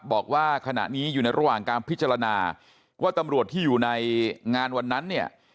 บอกว่าขณะนี้อยู่ในระหว่างการพิจารณาว่าตำรวจที่อยู่ในงานวันนั้นเนี่ย